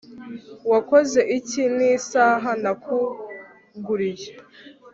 wakoze iki nisaha nakuguriye